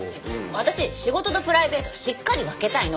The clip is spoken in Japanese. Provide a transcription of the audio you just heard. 私仕事とプライベートをしっかり分けたいの。